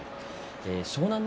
湘南乃